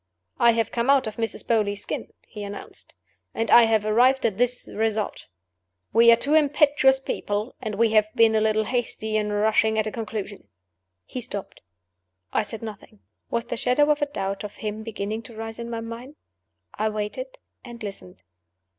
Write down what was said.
"I have come out of Mrs. Beauly's skin," he announced. "And I have arrived at this result: We are two impetuous people; and we have been a little hasty in rushing at a conclusion." He stopped. I said nothing. Was the shadow of a doubt of him beginning to rise in my mind? I waited, and listened.